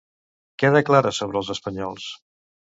Què declara sobre els espanyols?